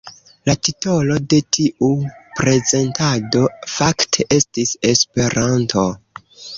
La titolo de tiu prezentado fakte estis ”Esperanto”.